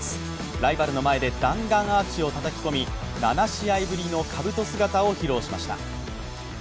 ライバルの前で弾丸アーチをたたき込み、７試合ぶりのかぶと姿を披露しました。